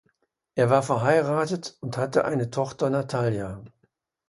Er war verheiratet und hatte eine Tochter Natalja.